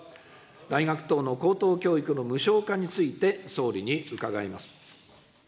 大学等の高等教育の無償化について総理に伺います。